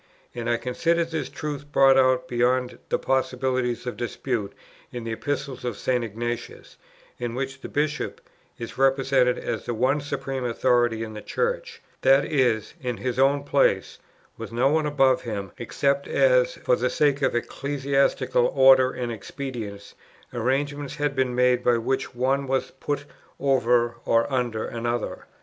And I considered this truth brought out, beyond the possibility of dispute, in the Epistles of St. Ignatius, in which the Bishop is represented as the one supreme authority in the Church, that is, in his own place, with no one above him, except as, for the sake of ecclesiastical order and expedience, arrangements had been made by which one was put over or under another.